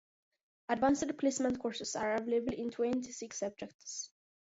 Advanced Placement courses are available in twenty-six subjects.